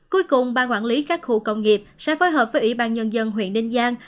cuối cùng ban quản lý các khu công nghiệp sẽ phối hợp với ủy ban nhân dân huyện ninh giang